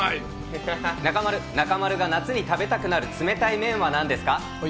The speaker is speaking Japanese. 中丸、中丸が夏に食べたくなる冷たい麺はなんですか？